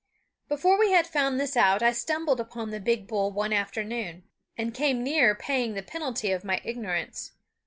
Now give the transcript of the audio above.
Before we had found this out I stumbled upon the big bull one afternoon, and came near paying the penalty of my ignorance.